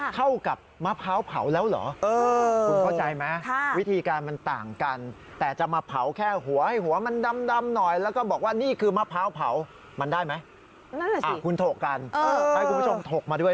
เข้ากับมะพร้าวเผาแล้วเหรอ